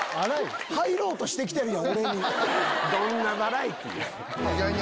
どんなバラエティーやねん。